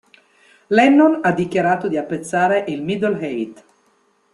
Lennon ha dichiarato di apprezzare il "middle eight".